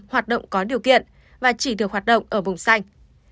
hoạt động có điều kiện và chỉ được hoạt động ở vùng xanh